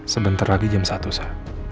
sebentar lagi jam satu saya